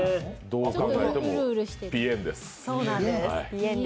どう考えても、ぴえんです。